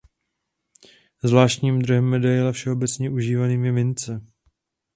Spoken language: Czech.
Zvláštním druhem medaile všeobecně užívaným je mince.